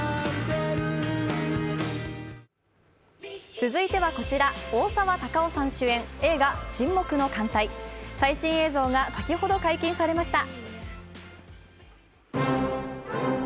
続いてはこちら、大沢たかおさん主演、映画「沈黙の艦隊」最新映像が先ほど解禁されました。